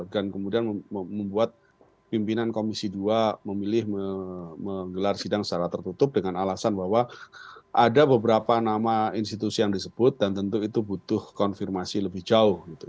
dan kemudian membuat pimpinan komisi dua memilih menggelar sidang secara tertutup dengan alasan bahwa ada beberapa nama institusi yang disebut dan tentu itu butuh konfirmasi lebih jauh